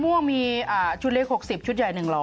ม่วงมีชุดเล็ก๖๐ชุดใหญ่๑๐๐